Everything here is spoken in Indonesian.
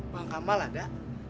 bang kamal ada